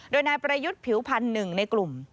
โดยนายประยุทธ์ผิวพันธ์หนึ่งในกลุ่ม